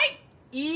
いい